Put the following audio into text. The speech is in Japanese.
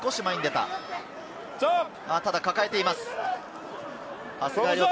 ただ抱えています。